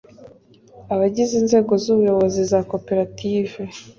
abagize inzego z'ubuyobozi za koperative